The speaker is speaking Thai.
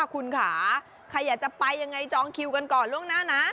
คุณค่ะใครอยากจะไปยังไงจองคิวกันก่อนล่วงหน้านะ